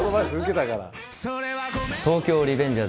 『東京リベンジャーズ